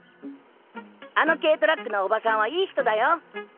あの軽トラックのおばさんはいい人だよ。